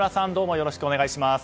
よろしくお願いします。